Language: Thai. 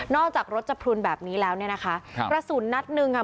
จากรถจะพลุนแบบนี้แล้วเนี่ยนะคะครับกระสุนนัดหนึ่งค่ะ